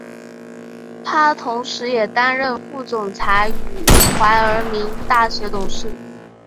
他同时也担任副总裁与怀俄明大学董事。